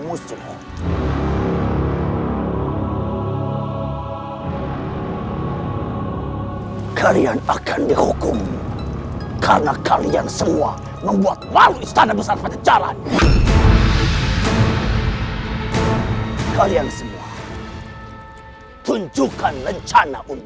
maafkan keterobohan batukan